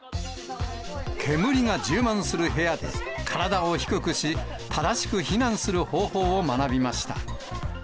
煙が充満する部屋で、体を低くし、正しく避難する方法を学びました。